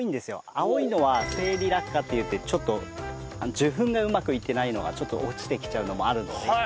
青いのは生理落果っていって受粉がうまくいってないのが落ちてきちゃうのもあるので。